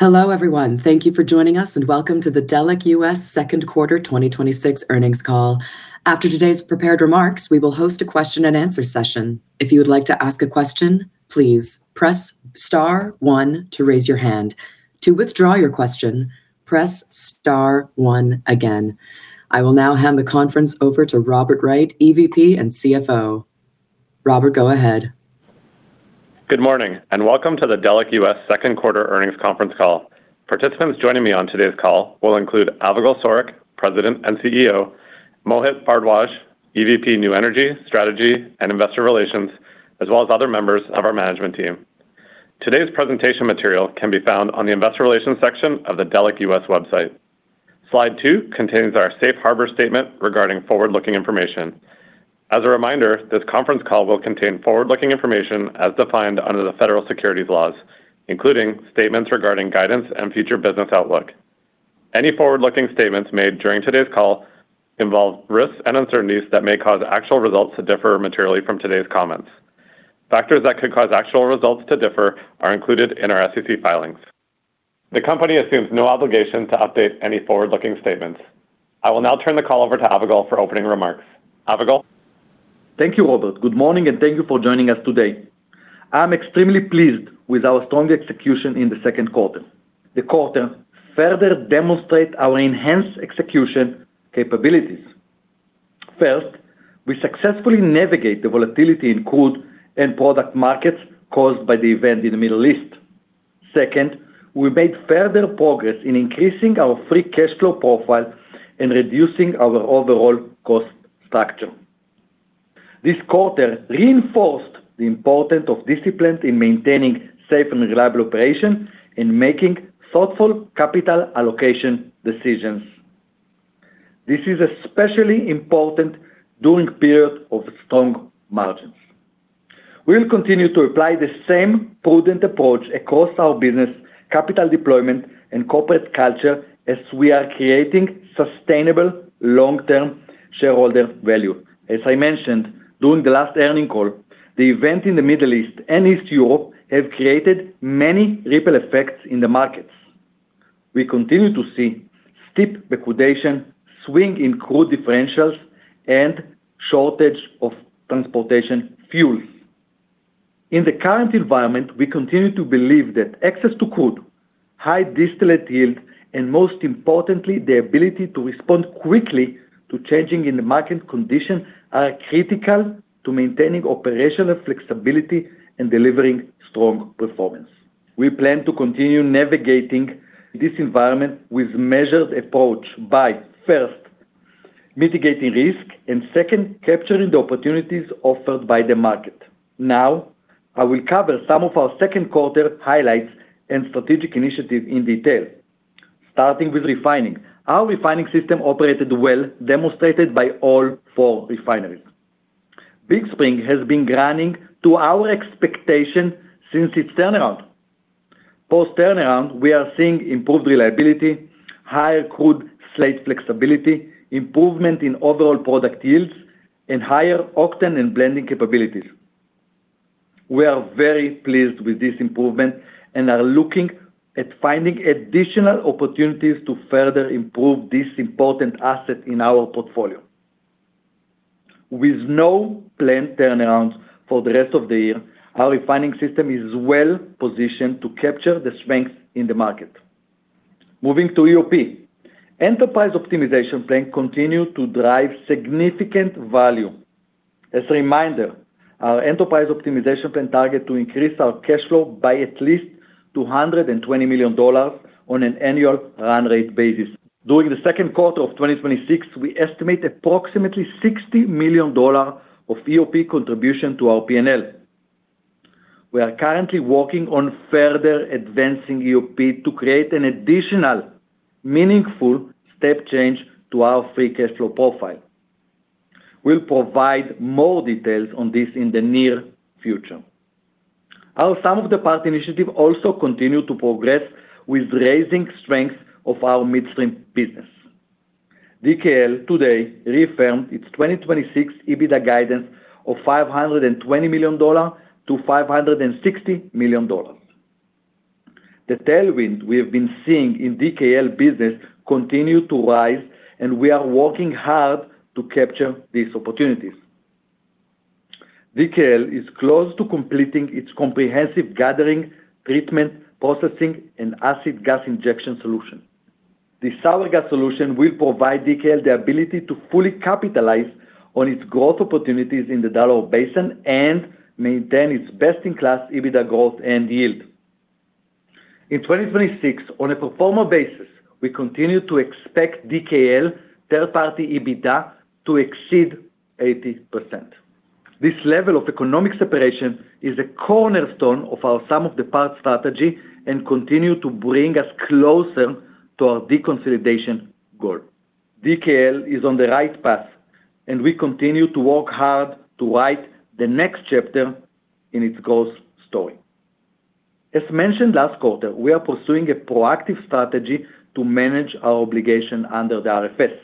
Hello, everyone. Thank you for joining us, and welcome to the Delek US second quarter 2026 earnings call. After today's prepared remarks, we will host a question-and-answer session. If you would like to ask a question, please press star one to raise your hand. To withdraw your question, press star one again. I will now hand the conference over to Robert Wright, EVP and CFO. Robert, go ahead. Good morning, welcome to the Delek US second quarter earnings conference call. Participants joining me on today's call will include Avigal Soreq, President and CEO, Mohit Bhardwaj, EVP New Energy, Strategy, and Investor Relations, as well as other members of our management team. Today's presentation material can be found on the Investor Relations section of the Delek US website. Slide two contains our safe harbor statement regarding Forward-Looking information. As a reminder, this conference call will contain Forward-Looking information as defined under the federal securities laws, including statements regarding guidance and future business outlook. Any Forward-Looking statements made during today's call involve risks and uncertainties that may cause actual results to differ materially from today's comments. Factors that could cause actual results to differ are included in our SEC filings. The company assumes no obligation to update any Forward-Looking statements. I will now turn the call over to Avigal for opening remarks. Avigal? Thank you, Robert. Good morning, thank you for joining us today. I am extremely pleased with our strong execution in the second quarter. The quarter further demonstrate our enhanced execution capabilities. First, we successfully navigate the volatility in crude end-product markets caused by the event in the Middle East. Second, we made further progress in increasing our free cash flow profile and reducing our overall cost structure. This quarter reinforced the importance of discipline in maintaining safe and reliable operation and making thoughtful capital allocation decisions. This is especially important during period of strong margins. We'll continue to apply the same prudent approach across our business, capital deployment, and corporate culture as we are creating sustainable long-term shareholder value. As I mentioned during the last earning call, the event in the Middle East and East Europe have created many ripple effects in the markets. We continue to see steep backwardation, swing in crude differentials, and shortage of transportation fuels. In the current environment, we continue to believe that access to crude, high distillate yield, and most importantly, the ability to respond quickly to changing in the market condition are critical to maintaining operational flexibility and delivering strong performance. We plan to continue navigating this environment with measured approach by, first, mitigating risk, and second, capturing the opportunities offered by the market. I will cover some of our second quarter highlights and strategic initiatives in detail. Starting with refining. Our refining system operated well, demonstrated by all four refineries. Big Spring has been running to our expectation since its turnaround. Post-turnaround, we are seeing improved reliability, higher crude slate flexibility, improvement in overall product yields, and higher octane and blending capabilities. We are very pleased with this improvement and are looking at finding additional opportunities to further improve this important asset in our portfolio. With no planned turnaround for the rest of the year, our refining system is well-positioned to capture the strength in the market. Moving to EOP. Enterprise Optimization Plan continue to drive significant value. As a reminder, our Enterprise Optimization Plan target to increase our cash flow by at least $220 million on an annual run rate basis. During the second quarter of 2026, we estimate approximately $60 million of EOP contribution to our P&L. We are currently working on further advancing EOP to create an additional meaningful step change to our free cash flow profile. We'll provide more details on this in the near future. Our sum of the part initiative also continue to progress with raising strength of our midstream business. DKL today reaffirmed its 2026 EBITDA guidance of $520 million-$560 million. The tailwind we have been seeing in DKL business continue to rise, and we are working hard to capture these opportunities. DKL is close to completing its comprehensive gathering, treatment, processing, and AGI solution. This sour gas solution will provide DKL the ability to fully capitalize on its growth opportunities in the Delaware Basin and maintain its best-in-class EBITDA growth and yield. In 2026, on a pro forma basis, we continue to expect DKL third-party EBITDA to exceed 80%. This level of economic separation is a cornerstone of our sum of the parts strategy and continue to bring us closer to our deconsolidation goal. DKL is on the right path, and we continue to work hard to write the next chapter in its growth story. As mentioned last quarter, we are pursuing a proactive strategy to manage our obligation under the RFS.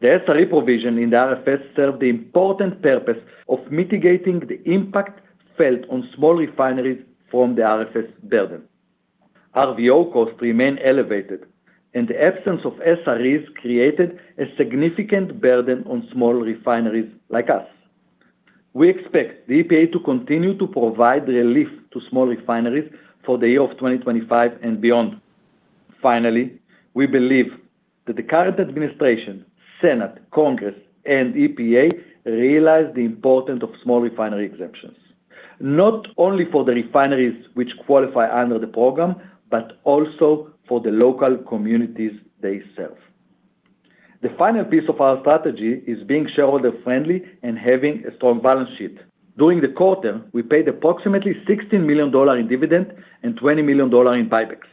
The SRE provision in the RFS served the important purpose of mitigating the impact felt on small refineries from the RFS burden. RVO costs remain elevated, and the absence of SREs created a significant burden on small refineries like us. We expect the EPA to continue to provide relief to small refineries for the year of 2025 and beyond. Finally, we believe that the current administration, Senate, Congress, and EPA realize the importance of Small Refinery Exemptions, not only for the refineries which qualify under the program, but also for the local communities they serve. The final piece of our strategy is being shareholder-friendly and having a strong balance sheet. During the quarter, we paid approximately $16 million in dividends and $20 million in buybacks.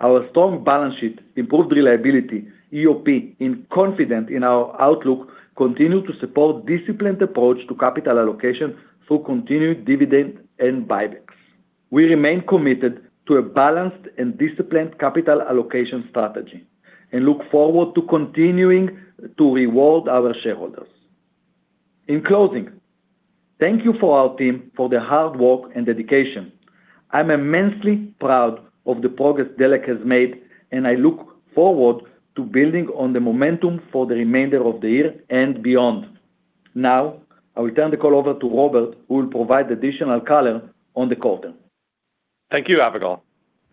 Our strong balance sheet, improved reliability, EOP, and confidence in our outlook continue to support a disciplined approach to capital allocation through continued dividends and buybacks. We remain committed to a balanced and disciplined capital allocation strategy and look forward to continuing to reward our shareholders. In closing, thank you to our team for their hard work and dedication. I'm immensely proud of the progress Delek has made, and I look forward to building on the momentum for the remainder of the year and beyond. I will turn the call over to Robert, who will provide additional color on the quarter. Thank you, Avigal.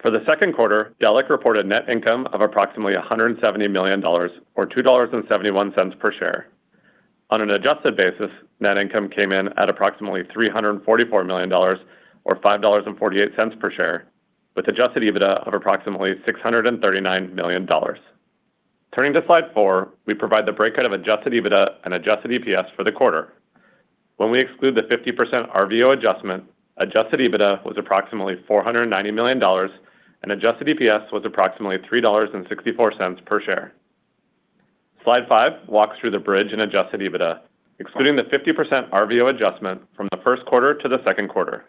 For the second quarter, Delek reported net income of approximately $170 million, or $2.71 per share. On an adjusted basis, net income came in at approximately $344 million, or $5.48 per share, with adjusted EBITDA of approximately $639 million. Turning to slide four, we provide the breakout of adjusted EBITDA and adjusted EPS for the quarter. When we exclude the 50% RVO adjustment, adjusted EBITDA was approximately $490 million, and adjusted EPS was approximately $3.64 per share. Slide five walks through the bridge in adjusted EBITDA, excluding the 50% RVO adjustment from the first quarter to the second quarter.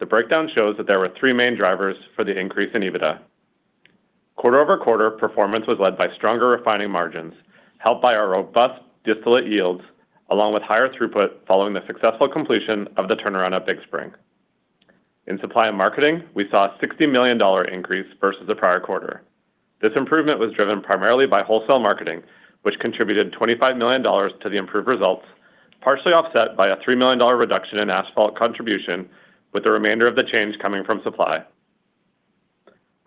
The breakdown shows that there were three main drivers for the increase in EBITDA. Quarter-over-quarter performance was led by stronger refining margins, helped by our robust distillate yields, along with higher throughput following the successful completion of the turnaround at Big Spring. In supply and marketing, we saw a $60 million increase versus the prior quarter. This improvement was driven primarily by wholesale marketing, which contributed $25 million to the improved results, partially offset by a $3 million reduction in asphalt contribution, with the remainder of the change coming from supply.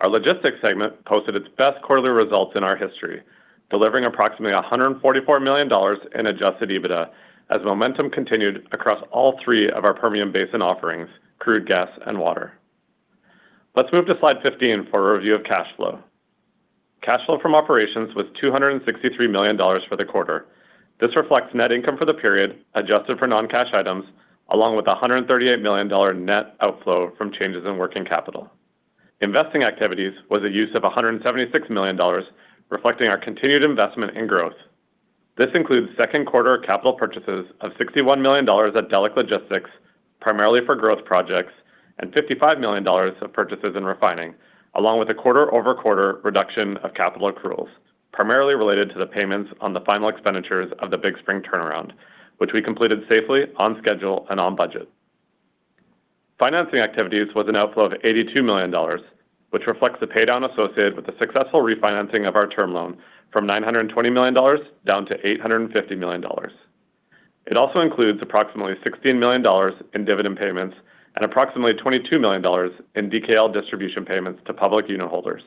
Our logistics segment posted its best quarterly results in our history, delivering approximately $144 million in adjusted EBITDA as momentum continued across all three of our Permian Basin offerings, crude, gas, and water. Let's move to slide 15 for a review of cash flow. Cash flow from operations was $263 million for the quarter. This reflects net income for the period, adjusted for non-cash items, along with $138 million net outflow from changes in working capital. Investing activities was a use of $176 million, reflecting our continued investment in growth. This includes second quarter capital purchases of $61 million at Delek Logistics, primarily for growth projects, and $55 million of purchases in refining, along with a quarter-over-quarter reduction of capital accruals, primarily related to the payments on the final expenditures of the Big Spring turnaround, which we completed safely, on schedule, and on budget. Financing activities was an outflow of $82 million, which reflects the paydown associated with the successful refinancing of our term loan from $920 million down to $850 million. It also includes approximately $16 million in dividend payments and approximately $22 million in DKL distribution payments to public unitholders.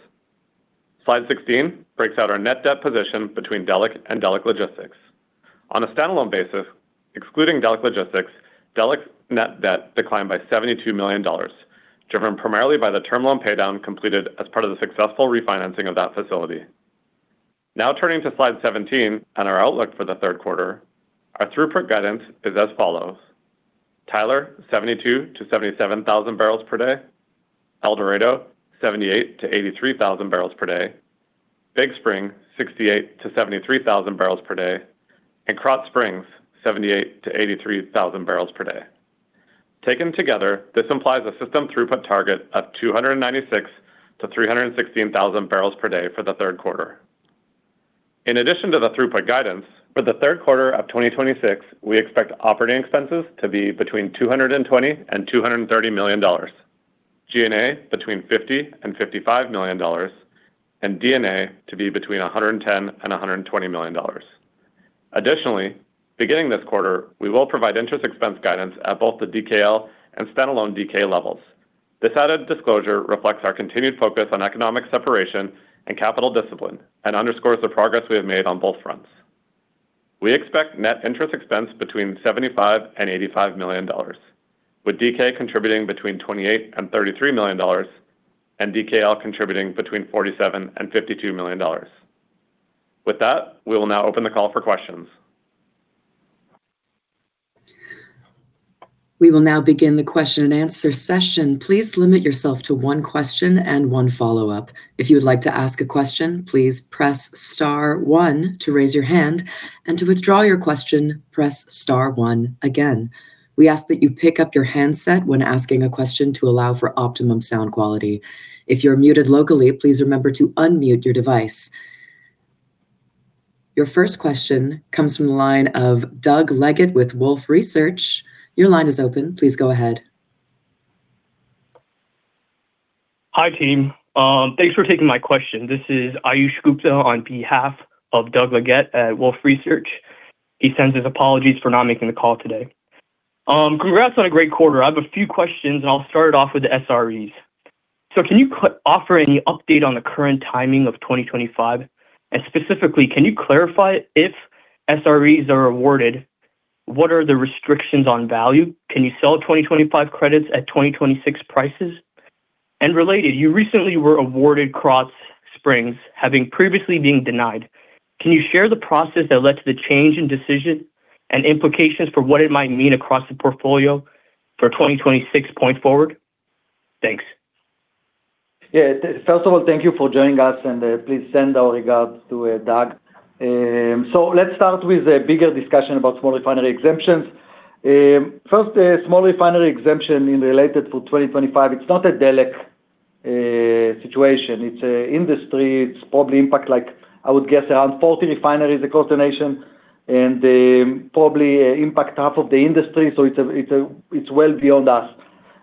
Slide 16 breaks out our net debt position between Delek and Delek Logistics. On a standalone basis, excluding Delek Logistics, Delek's net debt declined by $72 million, driven primarily by the term loan paydown completed as part of the successful refinancing of that facility. Now turning to slide 17 on our outlook for the third quarter, our throughput guidance is as follows. Tyler, 72,000-77,000 barrels per day. El Dorado, 78,000-83,000 barrels per day. Big Spring, 68,000-73,000 barrels per day. Krotz Springs, 78,000-83,000 barrels per day. Taken together, this implies a system throughput target of 296,000-316,000 barrels per day for the third quarter. In addition to the throughput guidance, for the third quarter of 2026, we expect operating expenses to be between $220 million and $230 million, G&A between $50 million and $55 million, and D&A to be between $110 million and $120 million. Additionally, beginning this quarter, we will provide interest expense guidance at both the DKL and standalone DK levels. This added disclosure reflects our continued focus on economic separation and capital discipline and underscores the progress we have made on both fronts. We expect net interest expense between $75 million and $85 million, with DK contributing between $28 million and $33 million and DKL contributing between $47 million and $52 million. With that, we will now open the call for questions. We will now begin the question-and-answer session. Please limit yourself to one question and one follow-up. If you would like to ask a question, please press star one to raise your hand, and to withdraw your question, press star one again. We ask that you pick up your handset when asking a question to allow for optimum sound quality. If you're muted locally, please remember to unmute your device. Your first question comes from the line of Doug Leggate with Wolfe Research. Your line is open. Please go ahead. Hi, team. Thanks for taking my question. This is Aayush Gupta on behalf of Doug Leggate at Wolfe Research. He sends his apologies for not making the call today. Congrats on a great quarter. I have a few questions. I'll start off with the SREs. Can you offer any update on the current timing of 2025? Specifically, can you clarify, if SREs are awarded, what are the restrictions on value? Can you sell 2025 credits at 2026 prices? Related, you recently were awarded Krotz Springs, having previously being denied. Can you share the process that led to the change in decision and implications for what it might mean across the portfolio for 2026 point forward? Thanks. Yeah. First of all, thank you for joining us, and please send our regards to Doug. Let's start with a bigger discussion about Small Refinery Exemptions. First, Small Refinery Exemption in related to 2025, it's not a Delek situation. It's a industry. It's probably impact, I would guess, around 40 refineries across the nation, and probably impact half of the industry. It's well beyond us.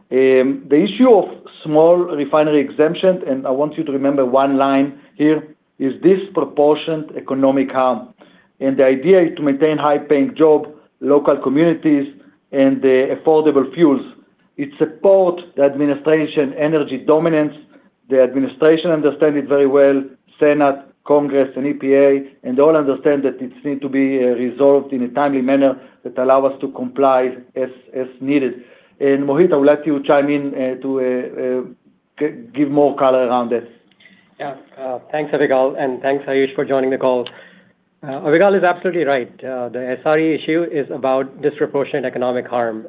The issue of Small Refinery Exemptions, and I want you to remember one line here, is disproportionate economic harm. The idea is to maintain high-paying job, local communities, and affordable fuels. It support the administration energy dominance. The administration understand it very well. Senate, Congress, and EPA, and all understand that it need to be resolved in a timely manner that allow us to comply as needed. Mohit, I would like you to chime in to give more color around it. Yeah. Thanks, Avigal, and thanks, Aayush, for joining the call. Avigal is absolutely right. The SRE issue is about disproportionate economic harm.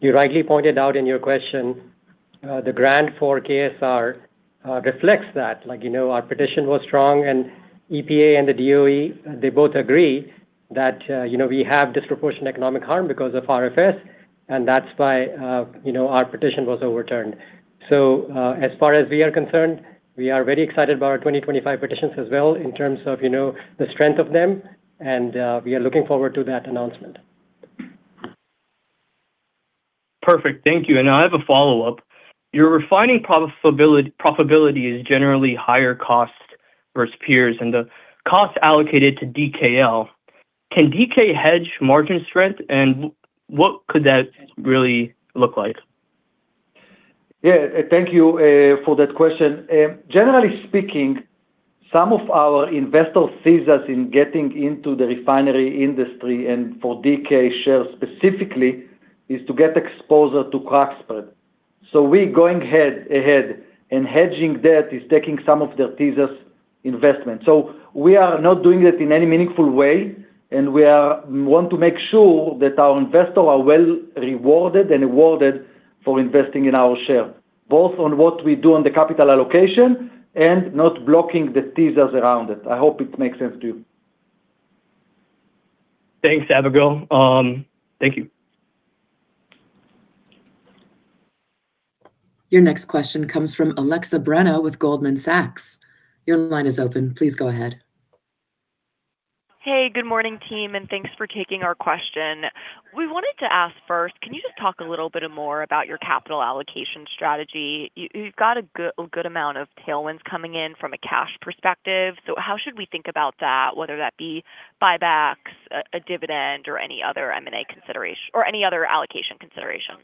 You rightly pointed out in your question, the grant for KSR reflects that. Our petition was strong, EPA and the DOE, they both agree that we have disproportionate economic harm because of RFS, and that's why our petition was overturned. As far as we are concerned, we are very excited about our 2025 petitions as well in terms of the strength of them. We are looking forward to that announcement. Perfect. Thank you. Now I have a follow-up. Your refining profitability is generally higher cost versus peers, and the cost allocated to DKL. Can DK hedge margin strength, and what could that really look like? Yeah. Thank you for that question. Generally speaking, some of our investors sees us in getting into the refinery industry, and for DK shares specifically, is to get exposure to crack spread. We going ahead and hedging that is taking some of the thesis investment. We are not doing it in any meaningful way, and we want to make sure that our investors are well rewarded and awarded for investing in our share, both on what we do on the capital allocation and not blocking the thesis around it. I hope it makes sense to you. Thanks, Avigal. Thank you. Your next question comes from Alexa Petrick with Goldman Sachs. Your line is open. Please go ahead. Hey, good morning, team, thanks for taking our question. We wanted to ask first, can you just talk a little bit more about your capital allocation strategy? You've got a good amount of tailwinds coming in from a cash perspective. How should we think about that, whether that be buybacks, a dividend, or any other M&A consideration, or any other allocation considerations?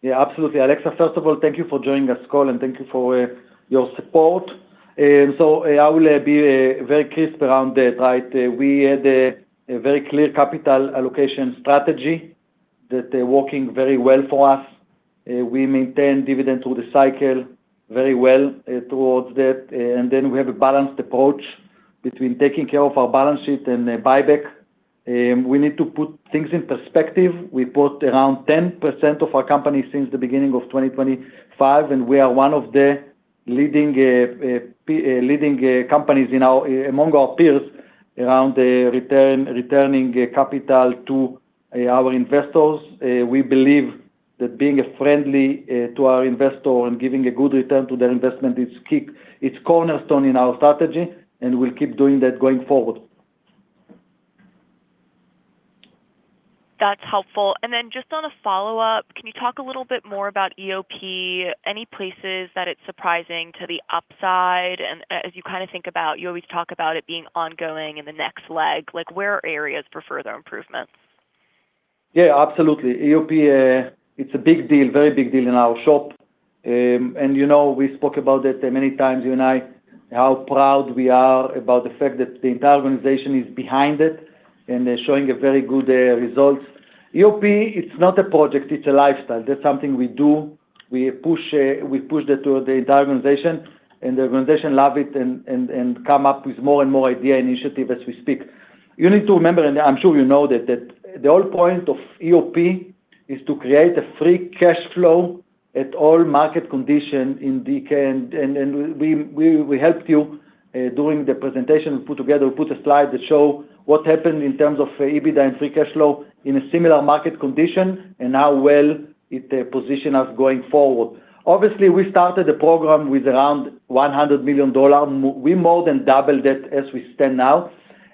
Yeah, absolutely. Alexa, first of all, thank you for joining this call, thank you for your support. I will be very crisp around it, right? We had a very clear capital allocation strategy that working very well for us. We maintain dividend through the cycle very well towards that. Then we have a balanced approach between taking care of our balance sheet and buyback. We need to put things in perspective. We put around 10% of our company since the beginning of 2025, we are one of the leading companies among our peers around returning capital to our investors. We believe that being friendly to our investor and giving a good return to their investment is cornerstone in our strategy, we'll keep doing that going forward. That's helpful. Just on a follow-up, can you talk a little bit more about EOP? Any places that it's surprising to the upside, and as you think about, you always talk about it being ongoing in the next leg, like where are areas for further improvements? Yeah, absolutely. EOP, it's a big deal, very big deal in our shop. We spoke about it many times, you and I, how proud we are about the fact that the entire organization is behind it, and they're showing a very good results. EOP, it's not a project, it's a lifestyle. That's something we do. We push it to the entire organization, and the organization love it and come up with more and more idea initiative as we speak. You need to remember, and I'm sure you know that the whole point of EOP is to create a free cash flow at all market condition in DK. We helped you during the presentation, put a slide that show what happened in terms of EBITDA and free cash flow in a similar market condition and how well it position us going forward. Obviously, we started the program with around $100 million. We more than doubled it as we stand now.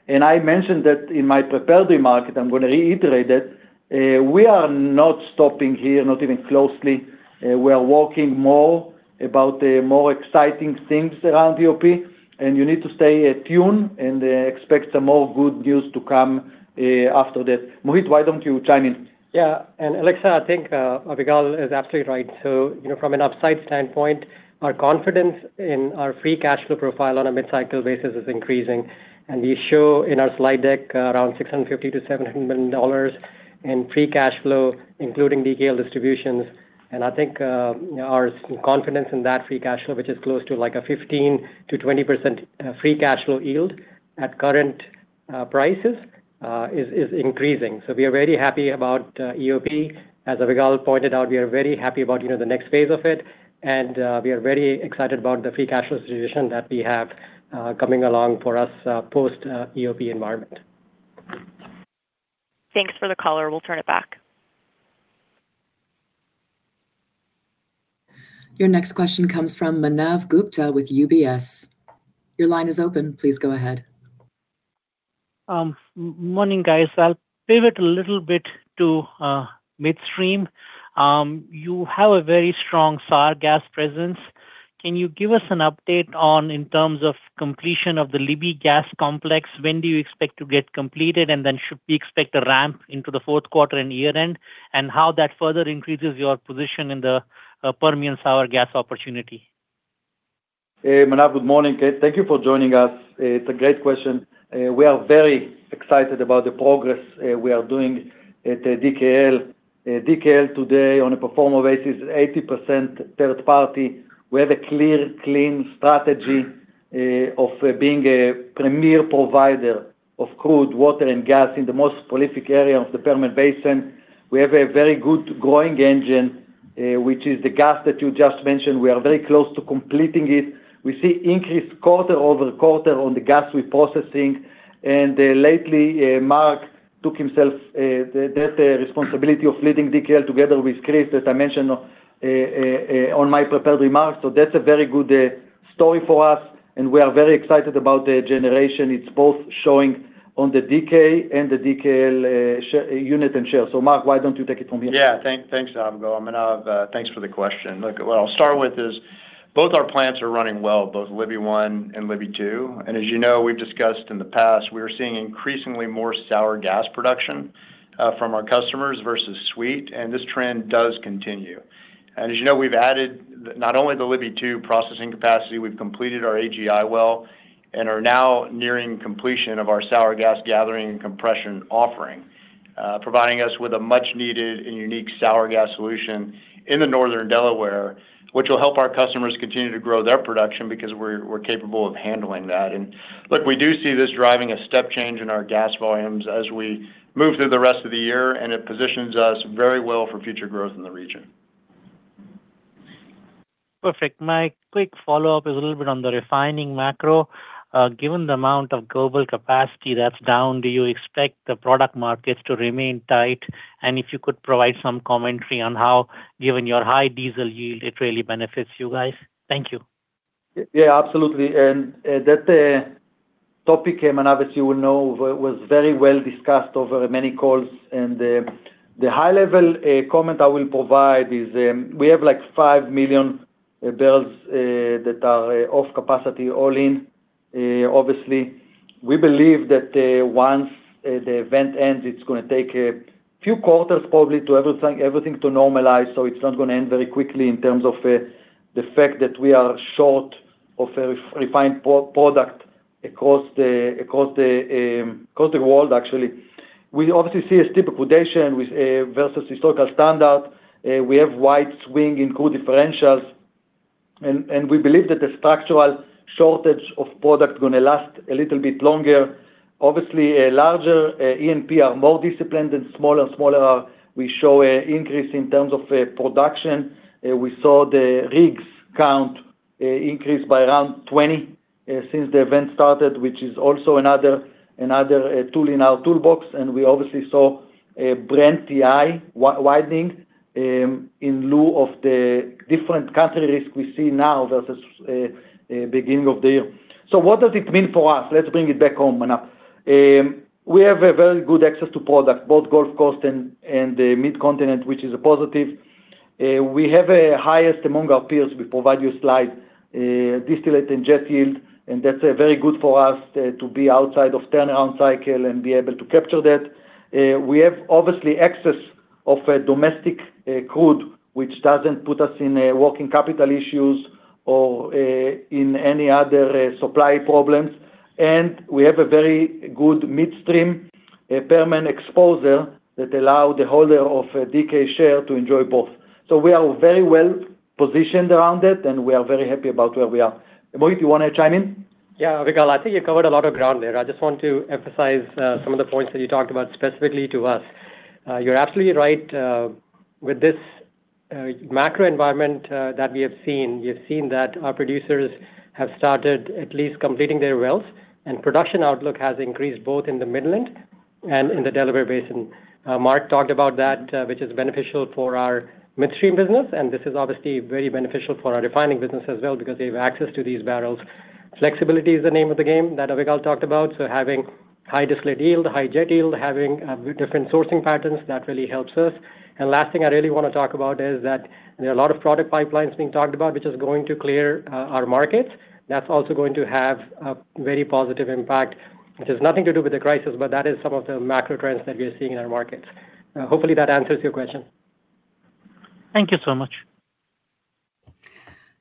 I mentioned that in my prepared remark, I'm going to reiterate it. We are not stopping here, not even closely. We are working more about the more exciting things around EOP, and you need to stay attuned and expect some more good news to come after that. Mohit, why don't you chime in? Yeah. Alexa, I think Avigal is absolutely right. From an upside standpoint, our confidence in our free cash flow profile on a mid-cycle basis is increasing. We show in our slide deck around $650 million-$700 million in free cash flow, including DKL distributions. I think our confidence in that free cash flow, which is close to a 15%-20% free cash flow yield at current prices, is increasing. We are very happy about EOP. As Avigal pointed out, we are very happy about the next phase of it, and we are very excited about the free cash flow distribution that we have coming along for us post EOP environment. Thanks for the color. We'll turn it back. Your next question comes from Manav Gupta with UBS. Your line is open. Please go ahead. Morning, guys. I'll pivot a little bit to midstream. You have a very strong sour gas presence. Can you give us an update on, in terms of completion of the Libby Gas Complex, when do you expect to get completed? Then should we expect a ramp into the fourth quarter and year-end? How that further increases your position in the Permian sour gas opportunity. Manav, good morning. Thank you for joining us. It's a great question. We are very excited about the progress we are doing at DKL. DKL today on a pro forma basis is 80% third party. We have a clear, clean strategy of being a premier provider of crude water and gas in the most prolific area of the Permian Basin. We have a very good growing engine, which is the gas that you just mentioned. We are very close to completing it. We see increase quarter-over-quarter on the gas we're processing. Lately, Mark took himself that responsibility of leading DKL together with Chris, as I mentioned on my prepared remarks. That's a very good story for us, and we are very excited about the generation. It's both showing on the DK and the DKL unit and share. Mark, why don't you take it from here? Yeah. Thanks, Avigal. Manav, thanks for the question. Look, what I'll start with is both our plants are running well, both Libby I and Libby II. As you know, we've discussed in the past, we are seeing increasingly more sour gas production from our customers versus sweet, this trend does continue. As you know, we've added not only the Libby II processing capacity, we've completed our AGI well and are now nearing completion of our sour gas gathering and compression offering. Providing us with a much needed and unique sour gas solution in the Northern Delaware, which will help our customers continue to grow their production because we're capable of handling that. Look, we do see this driving a step change in our gas volumes as we move through the rest of the year, it positions us very well for future growth in the region. Perfect. My quick follow-up is a little bit on the refining macro. Given the amount of global capacity that's down, do you expect the product markets to remain tight? If you could provide some commentary on how, given your high diesel yield, it really benefits you guys. Thank you. Yeah, absolutely. That topic, Manav, as you well know, was very well discussed over many calls. The high level comment I will provide is we have 5 million barrels that are off capacity all in. Obviously, we believe that once the event ends, it's going to take a few quarters probably to everything to normalize. It's not going to end very quickly in terms of the fact that we are short of a refined product across the world actually. We obviously see a steep liquidation versus historical standard. We have wide swing in crude differentials, we believe that the structural shortage of product is going to last a little bit longer. Obviously, a larger E&P are more disciplined than smaller. Smaller, we show an increase in terms of production. We saw the rigs count increase by around 20 since the event started, which is also another tool in our toolbox. We obviously saw a Brent-WTI widening in lieu of the different country risk we see now versus beginning of the year. What does it mean for us? Let's bring it back home, Manav. We have a very good access to product, both Gulf Coast and the Midcontinent, which is a positive. We have a highest among our peers. We provide you a slide, distillate and jet yield, that's very good for us to be outside of turnaround cycle and be able to capture that. We have obviously excess of domestic crude, which doesn't put us in a working capital issues or in any other supply problems. We have a very good midstream Permian exposure that allow the holder of a DK share to enjoy both. We are very well positioned around it, and we are very happy about where we are. Mohit, you want to chime in? Yeah. Avigal, I think you covered a lot of ground there. I just want to emphasize some of the points that you talked about specifically to us. You're absolutely right. With this macro environment that we have seen, we have seen that our producers have started at least completing their wells, and production outlook has increased both in the Midland And in the Delaware Basin. Mark talked about that, which is beneficial for our midstream business, and this is obviously very beneficial for our refining business as well because they have access to these barrels. Flexibility is the name of the game that Avigal talked about. Having high distillate yield, high jet yield, having different sourcing patterns, that really helps us. Last thing I really want to talk about is that there are a lot of product pipelines being talked about, which is going to clear our markets. That's also going to have a very positive impact, which has nothing to do with the crisis, but that is some of the macro trends that we are seeing in our markets. Hopefully that answers your question. Thank you so much.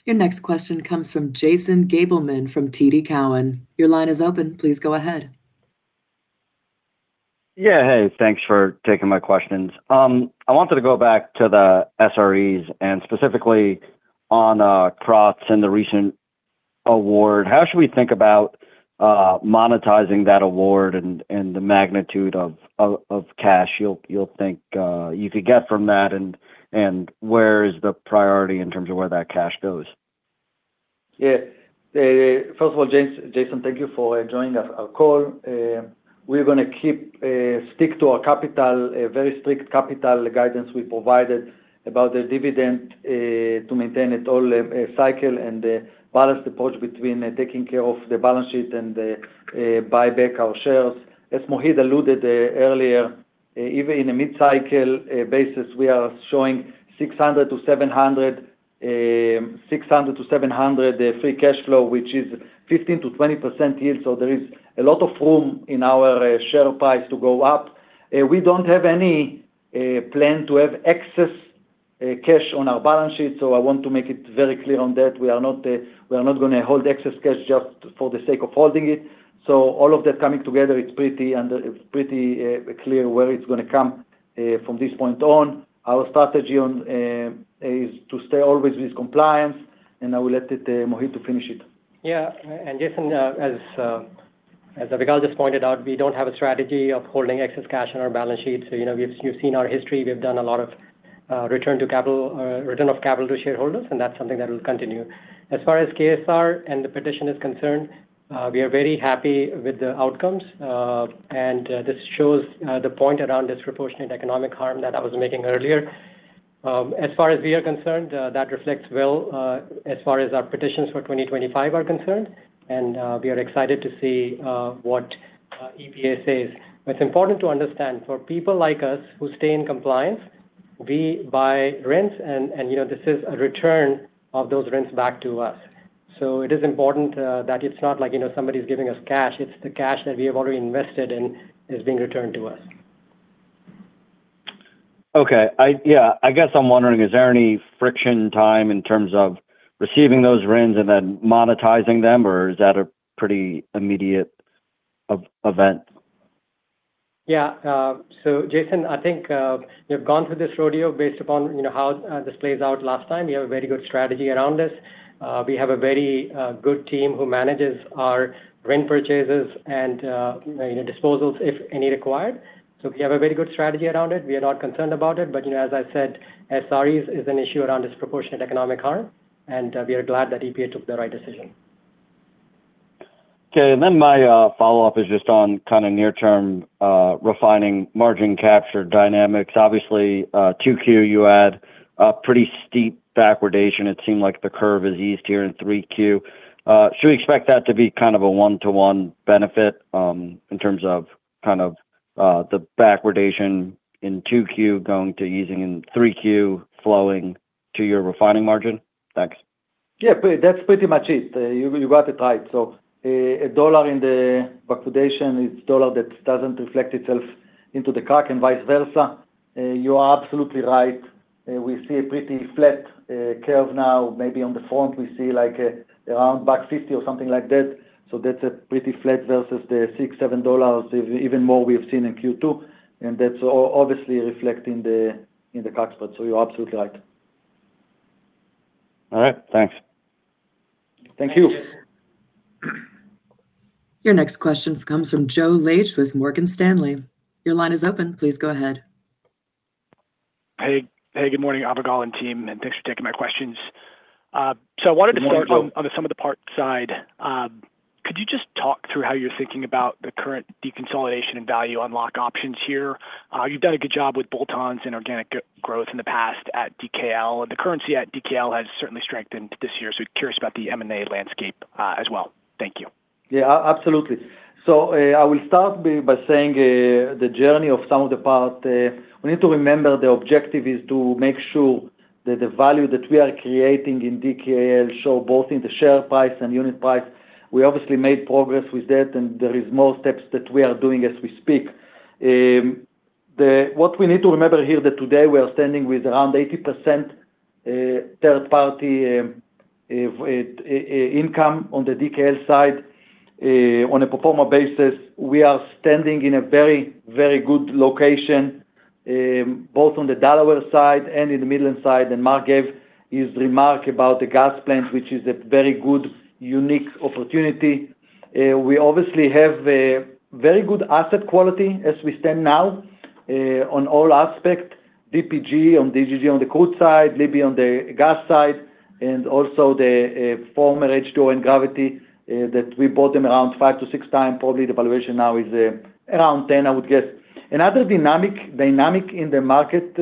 Your next question comes from Jason Gabelman from TD Cowen. Your line is open. Please go ahead. Yeah. Hey, thanks for taking my questions. I wanted to go back to the SREs, and specifically on Krotz Springs and the recent award. How should we think about monetizing that award and the magnitude of cash you'll think you could get from that, and where is the priority in terms of where that cash goes? Yeah. First of all, Jason, thank you for joining our call. We're going to stick to our very strict capital guidance we provided about the dividend to maintain it all cycle and the balanced approach between taking care of the balance sheet and buy back our shares. As Mohit alluded earlier, even in a mid-cycle basis, we are showing $600 million-$700 million free cash flow, which is 15%-20% yield. There is a lot of room in our share price to go up. We don't have any plan to have excess cash on our balance sheet. I want to make it very clear on that. We are not going to hold excess cash just for the sake of holding it. All of that coming together, it's pretty clear where it's going to come from this point on. Our strategy is to stay always with compliance, I will let Mohit finish it. Yeah. Jason, as Avigal just pointed out, we don't have a strategy of holding excess cash on our balance sheet. You've seen our history. We've done a lot of return of capital to shareholders, and that's something that will continue. As far as KSR and the petition is concerned, we are very happy with the outcomes. This shows the point around disproportionate economic harm that I was making earlier. As far as we are concerned, that reflects well as far as our petitions for 2025 are concerned, and we are excited to see what EPA says. It's important to understand, for people like us who stay in compliance, we buy RINs, and this is a return of those RINs back to us. It is important that it's not like somebody's giving us cash. It's the cash that we have already invested and is being returned to us. Okay. I guess I'm wondering, is there any friction time in terms of receiving those RINs and then monetizing them, or is that a pretty immediate event? Yeah. Jason, I think we've gone through this rodeo based upon how this plays out last time. We have a very good strategy around this. We have a very good team who manages our RIN purchases and disposals, if any required. We have a very good strategy around it. We are not concerned about it, but as I said, SRE is an issue around disproportionate economic harm, and we are glad that EPA took the right decision. Okay. My follow-up is just on near-term refining margin capture dynamics. Obviously, 2Q, you had a pretty steep backwardation. It seemed like the curve has eased here in 3Q. Should we expect that to be a one-to-one benefit in terms of the backwardation in 2Q going to easing in 3Q flowing to your refining margin? Thanks. Yeah, that's pretty much it. You got it right. A dollar in the backwardation is a dollar that doesn't reflect itself into the crack and vice versa. You are absolutely right. We see a pretty flat curve now. Maybe on the front we see around $1.50 or something like that. That's pretty flat versus the $6, $7, even more we have seen in Q2, and that's obviously reflecting in the crack spot. You're absolutely right. All right. Thanks. Thank you. Your next question comes from Joe Laetsch with Morgan Stanley. Your line is open. Please go ahead. Hey, good morning, Avigal and team, and thanks for taking my questions. Good morning, Joe. I wanted to start on the some of the parts side. Could you just talk through how you're thinking about the current deconsolidation and value unlock options here? You've done a good job with bolt-ons and organic growth in the past at DKL. The currency at DKL has certainly strengthened this year, so curious about the M&A landscape as well. Thank you. Absolutely. I will start by saying the journey of some of the part. We need to remember the objective is to make sure that the value that we are creating in DKL show both in the share price and unit price. We obviously made progress with that, and there is more steps that we are doing as we speak. What we need to remember here that today we are standing with around 80% third-party income on the DKL side. On a pro forma basis, we are standing in a very, very good location, both on the Delaware side and in the Midland side, and Mark gave his remark about the gas plant, which is a very good, unique opportunity. We obviously have very good asset quality as we stand now. On all aspects, DPG on the crude side, Libby on the gas side, and also the former H2O and Gravity that we bought them around five to six times. Probably the valuation now is around 10, I would guess. Another dynamic in the market,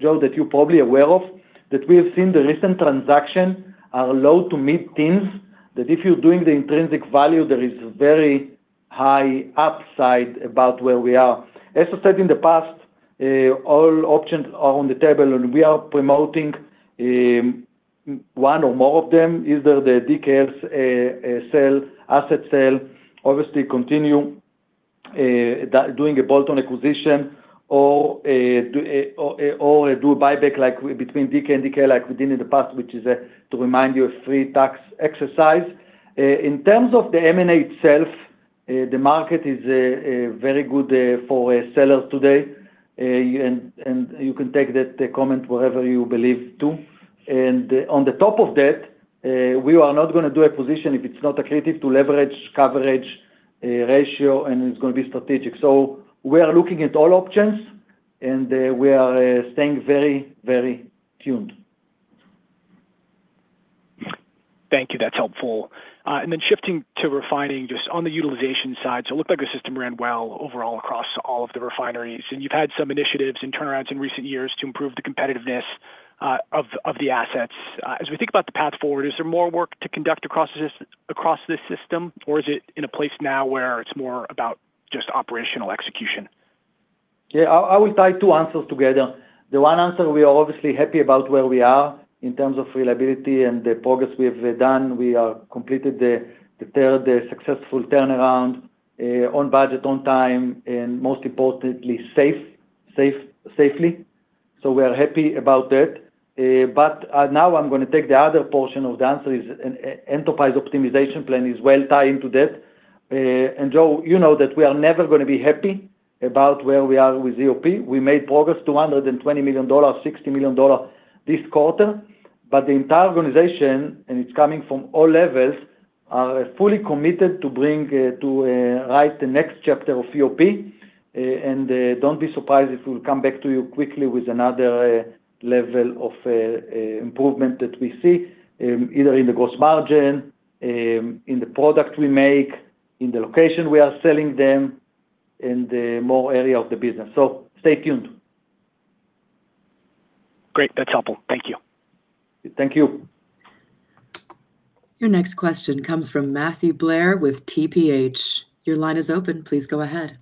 Joe, that you're probably aware of, that we have seen the recent transaction are low to mid-teens, that if you're doing the intrinsic value, there is very high upside about where we are. As I said in the past, all options are on the table, and we are promoting one or more of them, either the DKL sales, asset sale, obviously continue doing a bolt-on acquisition or do a buyback like between DK and DKL, like we did in the past, which is, to remind you, a free tax exercise. In terms of the M&A itself, the market is very good for sellers today, and you can take that comment wherever you believe to. On the top of that, we are not going to do acquisition if it's not accretive to leverage coverage ratio, and it's going to be strategic. We are looking at all options, and we are staying very tuned. Thank you. That's helpful. Then shifting to refining, just on the utilization side. It looked like the system ran well overall across all of the refineries. You've had some initiatives and turnarounds in recent years to improve the competitiveness of the assets. As we think about the path forward, is there more work to conduct across this system, or is it in a place now where it's more about just operational execution? I will tie two answers together. The one answer, we are obviously happy about where we are in terms of reliability and the progress we have done. We have completed the third successful turnaround on budget, on time, and most importantly, safely. We are happy about that. Now I'm going to take the other portion of the answer is Enterprise Optimization Plan is well tie into that. Joe, you know that we are never going to be happy about where we are with EOP. We made progress to $120 million, $60 million this quarter. The entire organization, and it's coming from all levels, are fully committed to write the next chapter of EOP. Don't be surprised if we'll come back to you quickly with another level of improvement that we see, either in the gross margin, in the product we make, in the location we are selling them, in the more area of the business. Stay tuned. Great. That's helpful. Thank you. Thank you. Your next question comes from Matthew Blair with TPH. Your line is open. Please go ahead.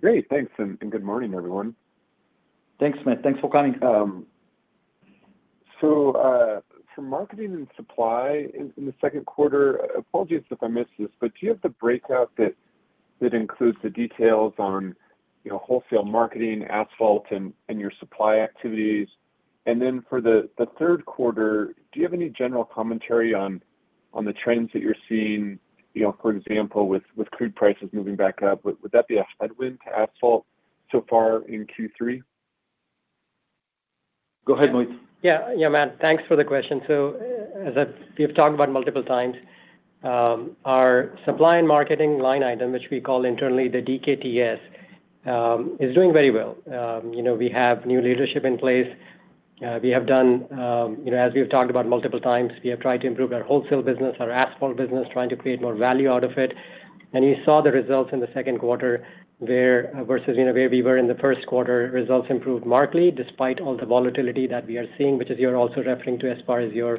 Great. Thanks, and good morning, everyone. Thanks, Matt. Thanks for coming. For marketing and supply in the second quarter, apologies if I missed this, but do you have the breakout that includes the details on wholesale marketing, asphalt, and your supply activities? For the third quarter, do you have any general commentary on the trends that you're seeing, for example, with crude prices moving back up? Would that be a headwind to asphalt so far in Q3? Go ahead, Mohit. Yeah, Matt. Thanks for the question. As we've talked about multiple times, our supply and marketing line item, which we call internally the DKTS, is doing very well. We have new leadership in place. As we have talked about multiple times, we have tried to improve our wholesale business, our asphalt business, trying to create more value out of it. You saw the results in the second quarter there versus where we were in the first quarter. Results improved markedly despite all the volatility that we are seeing, which is you're also referring to as far as your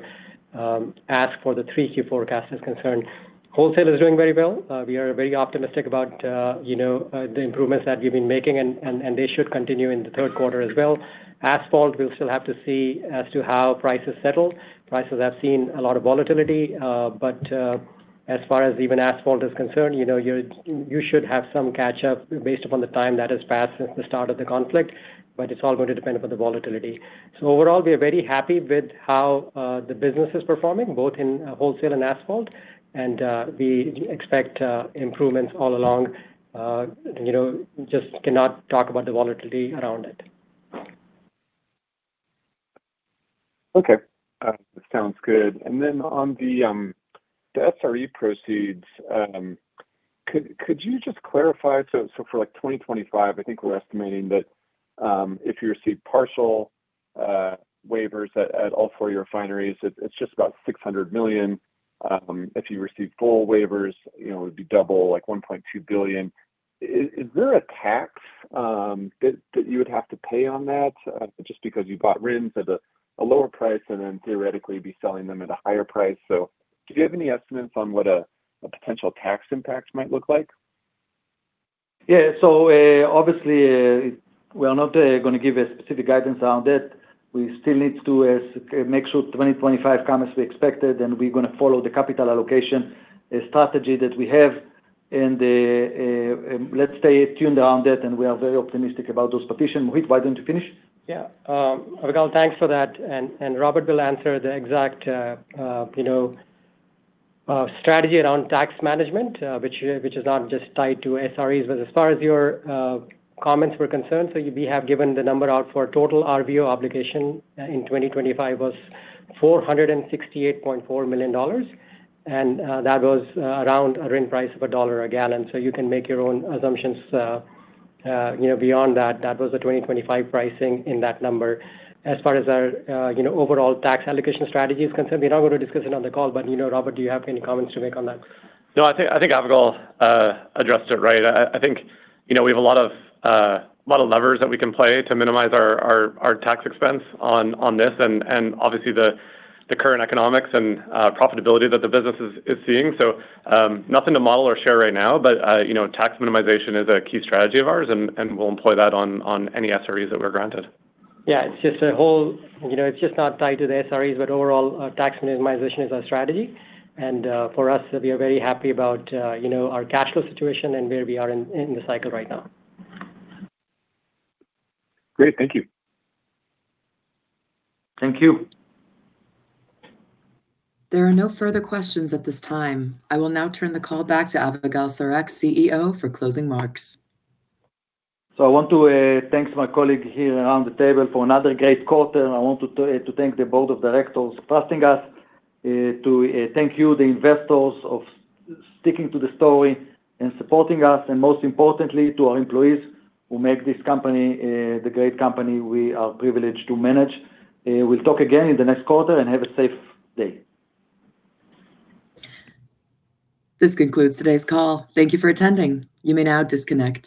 ask for the three Q forecast is concerned. Wholesale is doing very well. We are very optimistic about the improvements that we've been making, and they should continue in the third quarter as well. Asphalt, we'll still have to see as to how prices settle. Prices have seen a lot of volatility. As far as even asphalt is concerned, you should have some catch-up based upon the time that has passed since the start of the conflict, but it's all going to depend upon the volatility. Overall, we are very happy with how the business is performing, both in wholesale and asphalt, and we expect improvements all along. Just cannot talk about the volatility around it. Okay. Sounds good. On the SRE proceeds, could you just clarify? For 2025, I think we're estimating that if you receive partial waivers at all four refineries, it's just about $600 million. If you receive full waivers, it would be double, like $1.2 billion. Is there a tax that you would have to pay on that just because you bought RINs at a lower price and then theoretically be selling them at a higher price? Do you have any estimates on what a potential tax impact might look like? Yeah. Obviously, we are not going to give a specific guidance on that. We still need to make sure 2025 come as we expected, we're going to follow the capital allocation strategy that we have, let's stay tuned on that, we are very optimistic about those positions. Mohit, why don't you finish? Yeah. Avigal, thanks for that. Robert will answer the exact strategy around tax management which is not just tied to SREs. As far as your comments were concerned, we have given the number out for total RVO obligation in 2025 was $468.4 million, that was around a RIN price of $1 a gallon. You can make your own assumptions beyond that. That was the 2025 pricing in that number. As far as our overall tax allocation strategy is concerned, we're not going to discuss it on the call. Robert, do you have any comments to make on that? No, I think Avigal addressed it right. I think we have a lot of model levers that we can play to minimize our tax expense on this, obviously the current economics and profitability that the business is seeing. Nothing to model or share right now, tax minimization is a key strategy of ours, we'll employ that on any SREs that we're granted. Yeah, it's just not tied to the SREs, overall, tax minimization is our strategy. For us, we are very happy about our cash flow situation and where we are in the cycle right now. Great. Thank you. Thank you. There are no further questions at this time. I will now turn the call back to Avigal Soreq, CEO, for closing remarks. I want to thank my colleague here around the table for another great quarter, and I want to thank the board of directors trusting us, to thank you, the investors, of sticking to the story and supporting us, and most importantly, to our employees who make this company the great company we are privileged to manage. We'll talk again in the next quarter, and have a safe day. This concludes today's call. Thank you for attending. You may now disconnect.